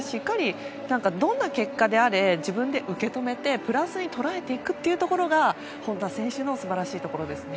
どんな結果であれ自分で受け止めてプラスに捉えていくっていうところが本多選手の素晴らしいところですね。